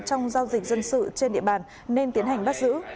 trong giao dịch dân sự trên địa bàn nên tiến hành bắt giữ